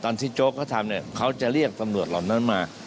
ตอนที่โจ๊กก็ทำเขาจะเรียกตำรวจเหล่านั้นมา